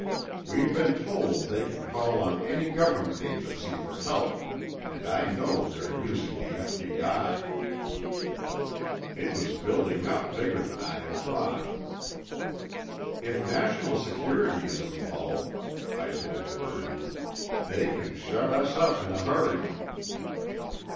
We've been told they can call on any government agency for help—and I know they're using the F.B.I." It was building up bigger than I had thought. "If national security is involved," I told Purdy, "they can shut us up in a hurry."